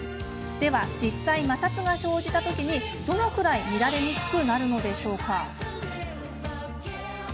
では実際、摩擦が生じたときにどのくらい乱れにくくなるのでしょうか。